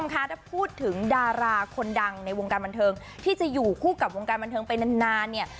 คะถ้าพูดถึงดาราคนดังในวงการบันเทิงที่จะอยู่คู่กับวงการบันเทิงไปนานเนี่ย